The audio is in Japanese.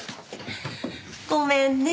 ごめんね。